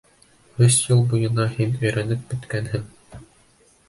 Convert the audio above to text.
Өс йыл буйына һин өйрәнеп бөткәнһең.